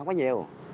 ăn cái gì